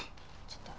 ちょっと。